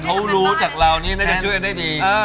เขารู้จากเรานี่น่าจะช่วยได้ดี